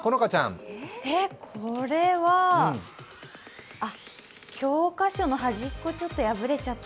えっ、これはあっ、教科書の端っこ、ちょっと破れちゃった。